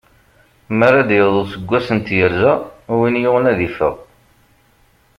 Mi ara d-yaweḍ useggas n tyerza, win yuɣen ad iffeɣ.